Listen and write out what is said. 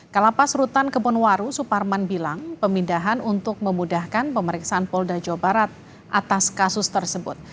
kalapas rutan kebonwaru suparman bilang pemindahan untuk memudahkan pemeriksaan polda jawa barat atas kasus tersebut